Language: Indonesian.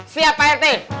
siap pak rt